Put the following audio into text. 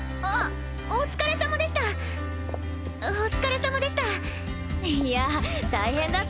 あっお疲れさまでした。